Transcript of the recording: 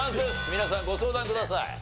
皆さんご相談ください。